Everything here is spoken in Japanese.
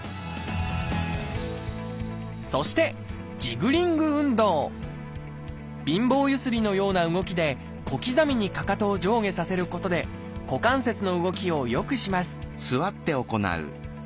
そして貧乏ゆすりのような動きで小刻みにかかとを上下させることで股関節の動きをよくします